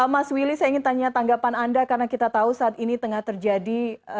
mas willy saya ingin tanya tanggapan anda karena kita tahu saat ini tengah terjadi